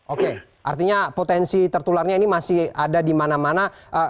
oke artinya potensi tertularnya ini masih ada di mana mana